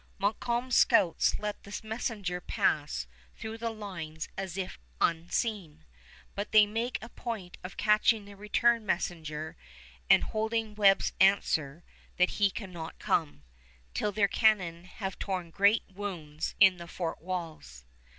Montcalm's scouts let the messenger pass through the lines as if unseen, but they make a point of catching the return messenger and holding Webb's answer that he cannot come, till their cannon have torn great wounds in the fort walls.